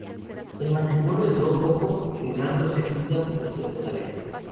El matrimonio duró poco, quedándose viuda por segunda vez.